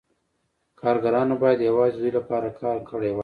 کارګرانو باید یوازې د دوی لپاره کار کړی وای